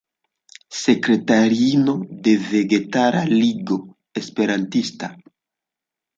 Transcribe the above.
Sekretariino de Vegetara Ligo Esperantista.